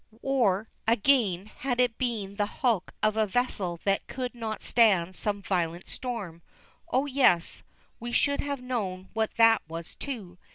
Or, again, had it been the hulk of a vessel that could not stand some violent storm, oh, yes, we should have known what that was, too.